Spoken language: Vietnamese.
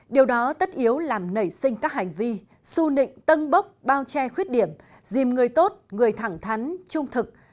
điều đó tất yếu làm nảy sinh các hành vi su nịnh tân bốc bao che khuyết điểm dìm người tốt người thẳng thắn trung thực